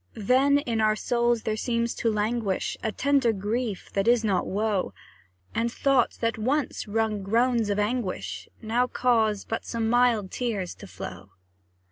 Then in our souls there seems to languish A tender grief that is not woe; And thoughts that once wrung groans of anguish Now cause but some mild tears to flow.